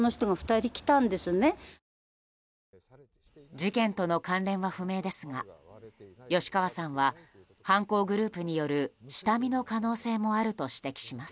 事件との関連は不明ですが吉川さんは、犯行グループによる下見の可能性もあると指摘します。